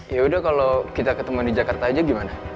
yaudah kalau kita ketemuan di jakarta aja gimana